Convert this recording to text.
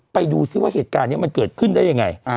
ไปดูซิว่าเหตุการณ์นี้มันเกิดขึ้นได้ยังไง